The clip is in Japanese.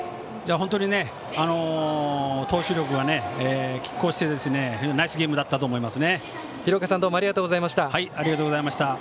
本当に投手力がきっ抗していたナイスゲームだったと思います。